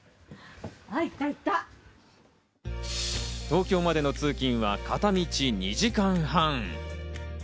東京までの通勤は片道２時間半。